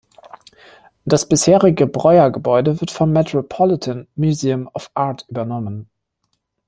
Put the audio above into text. Das bisherige Breuer-Gebäude wird vom Metropolitan Museum of Art übernommen.